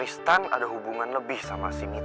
tiga stans ada hubungan lebih sama si mita